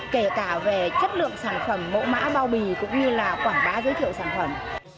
kể cả về chất lượng sản phẩm mẫu mã bao bì cũng như là quảng bá giới thiệu sản phẩm